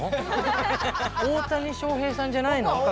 大谷翔平さんじゃないの？